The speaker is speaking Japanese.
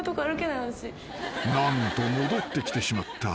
［何と戻ってきてしまった］